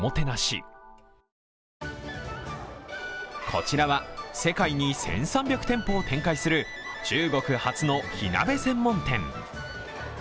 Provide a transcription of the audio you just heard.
こちらは世界に１３００店舗を展開する、中国発の火鍋専門店。